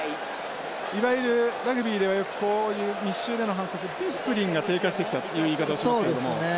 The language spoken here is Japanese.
いわゆるラグビーではよくこういう密集での反則ディシプリンが低下してきたという言い方をしますけれども。